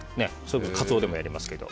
カツオでもやりますけど。